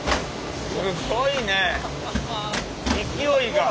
すごいね勢いが。